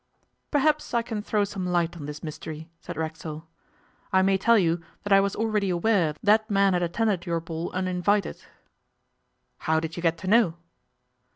'Perhaps I can throw some light on this mystery,' said Racksole. 'I may tell you that I was already aware that man had attended your ball uninvited.' 'How did you get to know?